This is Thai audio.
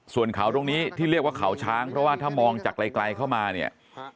ส่วนเขาตรงนี้ที่เรียกว่าเขาช้างเพราะว่าถ้ามองจากไกลเข้ามาเนี่ย